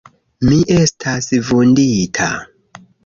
Mi estas vundita!